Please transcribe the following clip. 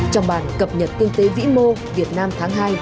trong bản cập nhật kinh tế vĩ mô việt nam tháng hai